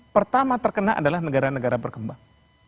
pertama terkena adalah negara negara berkembang